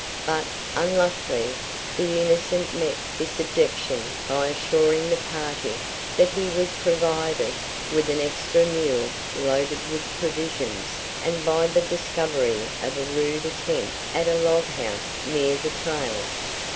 But, unluckily, the Innocent met this objection by assuring the party that he was provided with an extra mule loaded with provisions and by the discovery of a rude attempt at a log house near the trail.